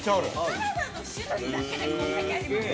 ◆サラダの種類だけでこんだけありますよ。